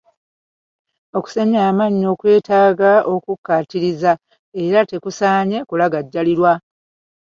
Okusenya amannyo kwetaaga okukkaatiriza, era tekusaanye kulagajjalirwa.